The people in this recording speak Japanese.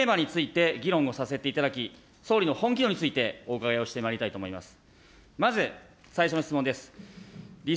本日はこのテーマについて議論をさせていただき、総理の本気度についてお伺いをしてまいりたいと思います。